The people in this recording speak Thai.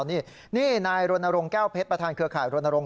นี่นายโรนโรงแก้วเพชรประธานเครือข่ายโรนโรง